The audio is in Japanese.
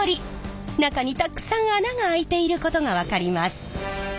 中にたくさん穴が開いていることが分かります！